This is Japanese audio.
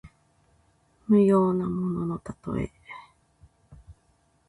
無用なもののたとえ。